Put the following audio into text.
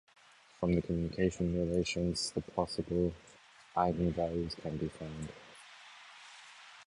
From the commutation relations the possible eigenvalues can be found.